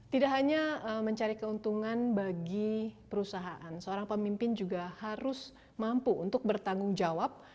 tidak hanya mencari keuntungan bagi perusahaan seorang pemimpin juga harus mampu untuk bertanggung jawab